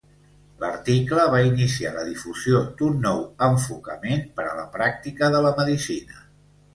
L'article va iniciar la difusió d'un nou enfocament per a la pràctica de la medicina.